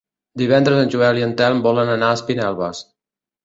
Divendres en Joel i en Telm volen anar a Espinelves.